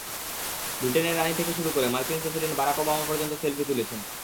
ব্রিটেনের রানি থেকে শুরু করে মার্কিন প্রেসিডেন্ট বারাক ওবামা পর্যন্ত সেলফি তুলেছেন।